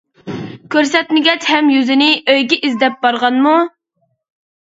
كۆرسەتمىگەچ ھەم يۈزىنى، ئۆيىگە ئىزدەپ بارغانمۇ.